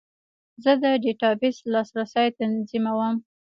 زه د ډیټابیس لاسرسی تنظیموم.